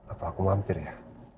apa aku mampir ya